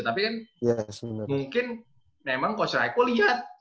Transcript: tapi kan mungkin memang coach eko lihat